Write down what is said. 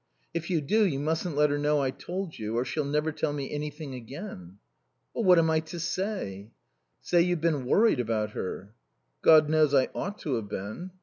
"If you do you mustn't let her know I told you, or she'll never tell me anything again." "What am I to say?" "Say you've been worried about her." "God knows I ought to have been."